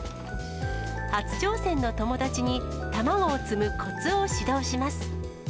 初挑戦の友達に、卵を積むこつを指導します。